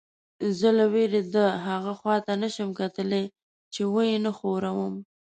زه له وېرې دهغه خوا ته نه شم کتلی چې ویې نه ښوروم.